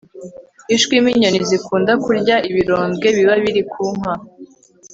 ishwima inyoni zikunda kurya ibirondwe biba biri ku nka